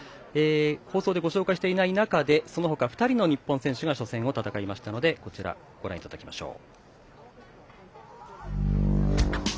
放送でご紹介していない中でその他、２人の日本人選手が初戦を戦いましたのでご覧いただきましょう。